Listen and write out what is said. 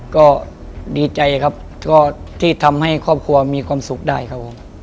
ก็ดีใจครับก็ที่ทำให้ครอบครัวมีความสุขได้ครับผม